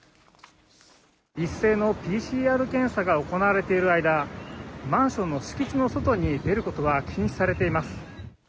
一斉のＰＣＲ検査が行われている間、マンションの敷地の外に出ることは禁止されています。